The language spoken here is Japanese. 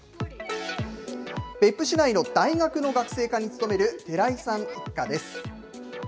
別府市内の大学の学生課に勤める寺井さん一家です。